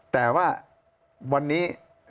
แต่ว่าวันนี้